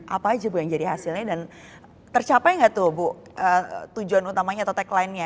apa aja bu yang jadi hasilnya dan tercapai nggak tuh bu tujuan utamanya atau tagline nya